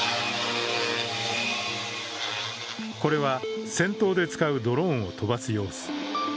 これは戦闘で使うドローンを飛ばす様子。